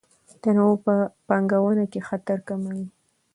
تنوع په پانګونه کې خطر کموي.